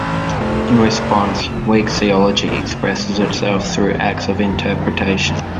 In response, weak theology expresses itself through acts of interpretation.